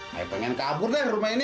saya pengen kabur deh dari rumah ini